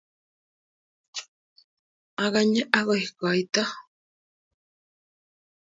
Aganye agoi koito